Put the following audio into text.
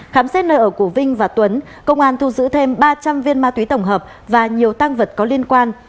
khám xét nơi ở của vinh và tuấn công an thu giữ thêm ba trăm linh viên ma túy tổng hợp và nhiều tăng vật có liên quan